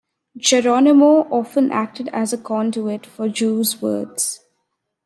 Geronimo often acted as a conduit for Juh's words.